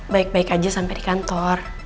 baik baik aja sampai di kantor